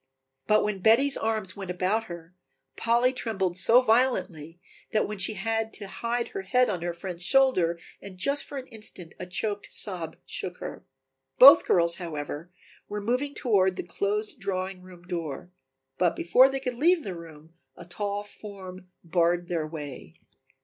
But when Betty's arms went about her, Polly trembled so violently that she had to hide her head on her friend's shoulder and just for an instant a choked sob shook her. Both girls, however, were moving toward the closed drawing room door, but before they could leave the room a tall form barred their way.